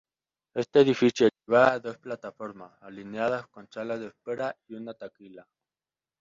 Este edificio llevaba a dos plataformas, alineadas con salas de espera y una taquilla.